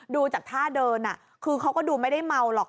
ดูจากท่าเดินคือเขาก็ดูไม่ได้เมาหรอก